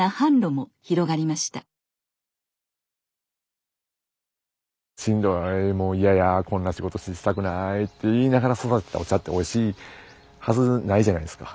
もう嫌やこんな仕事したくないって言いながら育てたお茶っておいしいはずないじゃないですか。